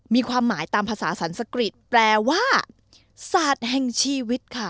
มีความหมายตามภาษาสรรสกริจแปลว่าศาสตร์แห่งชีวิตค่ะ